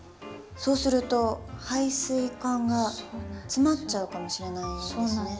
そうすると配水管が詰まっちゃうかもしれないですね。